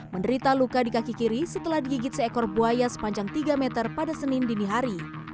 menderita luka di kaki kiri setelah digigit seekor buaya sepanjang tiga meter pada senin dini hari